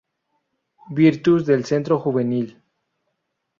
Virtus del Centro Juvenil.